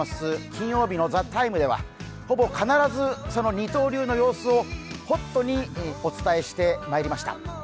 金曜日の「ＴＨＥＴＩＭＥ，」ではほぼ必ずその二刀流の様子をホットにお伝えしてまいりました。